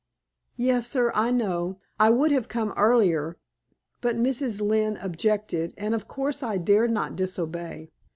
"Yes, sir; I know. I would have come earlier, but Mrs. Lynne objected, and of course I dared not disobey.